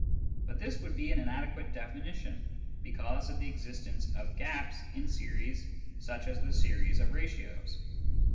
But this would be an inadequate definition, because of the existence of " gaps " in series such as the series of ratios.